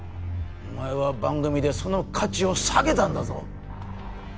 お前は番組でその価値を下げたんだぞ？